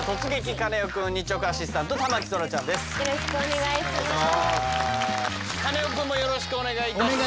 カネオくんもよろしくお願いいたします。